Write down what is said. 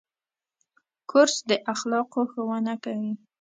کورس د اخلاقو ښوونه کوي.